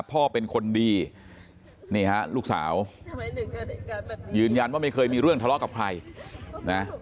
พ่อเป็นคนดีนี่ฮะลูกสาวยืนยันว่าไม่เคยมีเรื่องทะเลาะกับใครนะ